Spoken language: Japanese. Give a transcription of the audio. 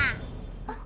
あっ。